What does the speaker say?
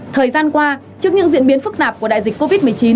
thời gian qua trước những diễn biến phức tạp của đại dịch covid một mươi chín